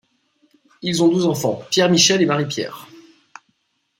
Ils ont deux enfants, Pierre-Michel et Marie-Pierre.